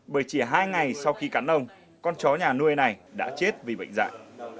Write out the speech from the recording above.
bởi chỉ hai ngày sau khi cắn ông con chó nhà nuôi này đã chết vì bệnh dạy